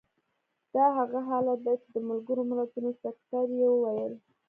دا هغه حالت دی چې د ملګرو ملتونو سکتر یې وویل.